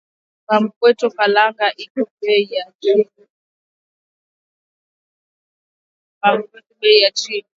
Pa mpweto kalanga iko beyi ya chini